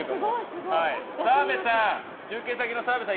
中継先の澤部さん